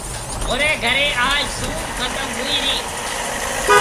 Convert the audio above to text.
مهوريَ گهريَ آج ٿونڀ ختم هوئِي رِي